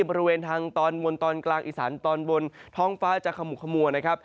บริเวณทางตอนบนตอนกลางอีสานตอนบนท้องฟ้าจะขมุกขมัวนะครับ